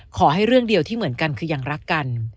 ขอให้เรื่องเดียวที่เหมือนกันคือยังรักกัน